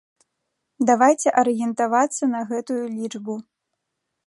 Давайце арыентавацца на гэтую лічбу.